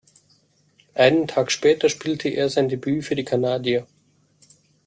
Einen Tag später spielte er sein Debüt für die Kanadier.